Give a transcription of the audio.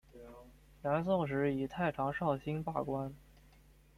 南宋时以太常少卿罢官。